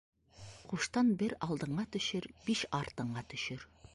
Ҡуштан бер алдыңа төшөр, биш артыңа төшөр.